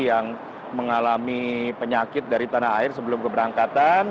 yang mengalami penyakit dari tanah air sebelum keberangkatan